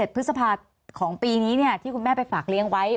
พฤษภาของปีนี้ที่คุณแม่ไปฝากเลี้ยงไว้